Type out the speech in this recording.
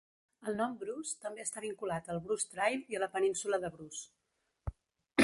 El nom Bruce també està vinculat al Bruce Trail i a la Península de Bruce.